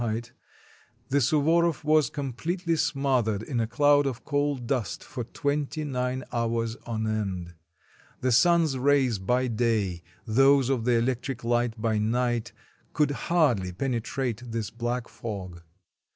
the Suvoroff was completely smothered in a cloud of coal dust for twenty nine hours on end. The sun's rays by day, those of the electric light by night, could hardly penetrate this black fog.